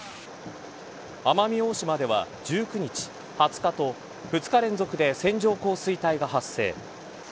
奄美大島では１９日、２０日と２日連続で線状降水帯が発生。